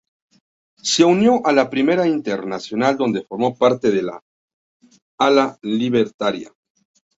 Se unió a la Primera Internacional donde formó parte del ala libertaria.